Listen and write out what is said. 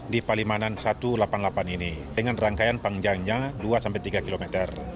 di palimanan satu ratus delapan puluh delapan ini dengan rangkaian panjangnya dua sampai tiga km